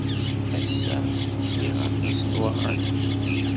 Ass-a, liɣ aṭas n waɣanen.